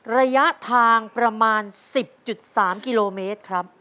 ระยะทางประมาณ๑๐๓กิโลเมตรครับ